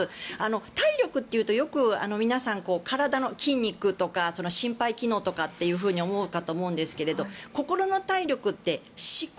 体力というとよく皆さん体の筋肉とか心肺機能とかって思うと思うんですけれど心の体力って思考